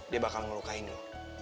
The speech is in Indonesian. dia bakal ngelukain lo